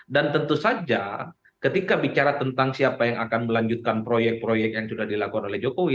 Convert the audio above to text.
dan tentu saja ketika bicara tentang siapa yang akan melanjutkan proyek proyek yang sudah dilakukan oleh jokowi